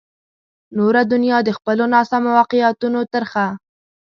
نوره دنیا د خپلو ناسمو واقعیتونو ترخه.